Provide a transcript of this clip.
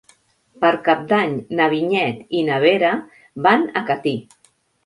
Per Cap d'Any na Vinyet i na Vera van a Catí.